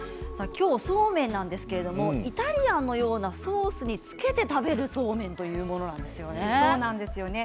きょうはそうめんなんですけれどイタリアンのようなソースにつけて食べるそうめんというものなんですよね。